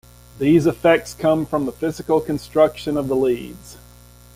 These effects come from the physical construction of the leads.